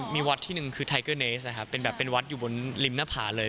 มีวัดที่หนึ่งคือไทเกอร์เนสนะครับเป็นแบบเป็นวัดอยู่บนริมหน้าผาเลย